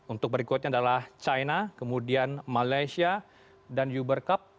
untuk berikutnya adalah china kemudian malaysia dan uber cup